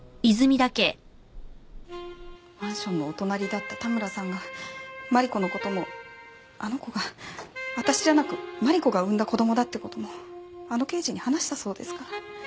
マンションのお隣だった田村さんが万里子の事もあの子が私じゃなく万里子が産んだ子供だって事もあの刑事に話したそうですから。